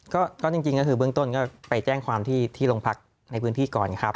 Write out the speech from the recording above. ก็จริงก็คือเบื้องต้นก็ไปแจ้งความที่โรงพักในพื้นที่ก่อนครับ